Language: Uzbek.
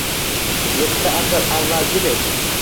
Yetti asr avvalgidek